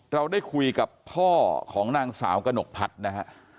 เราได้คุยกับพ่อของนางสาวกนกพัดนะครับ